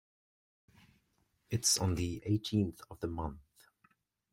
It's on the eighteenth of the month.